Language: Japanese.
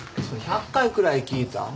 それ１００回くらい聞いた。